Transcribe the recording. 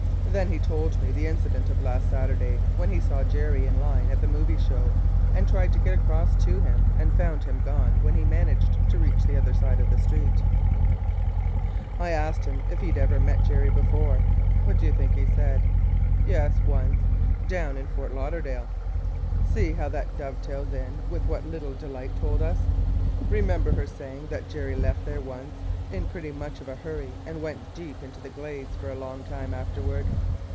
Then he told me the incident of last Saturday when he saw Jerry in line at the movie show and tried to get across to him and found him gone when he managed to reach the other side of the street. "I asked him if he 'd ever met Jerry before and – what do you think he said? Yes, once, down in Fort Lauderdale! See how that dovetails in with what little Delight told us? Remember her saying that Jerry left there once in pretty much of a hurry and went deep into the Glades for a long time afterward?